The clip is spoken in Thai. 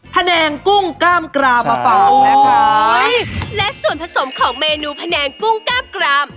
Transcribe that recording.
พะแดงกุ้งกล้ามกรามมาฟังนะคะโอ๊ยและส่วนผสมของเมนูพะแดงกุ้งกล้ามกราม